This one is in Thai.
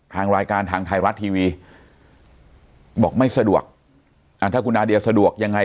ทางรายการทางไทยรัฐทีวีบอกไม่สะดวกอ่าถ้าคุณนาเดียสะดวกยังไง